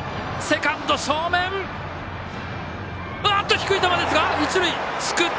低い球ですが一塁、すくった！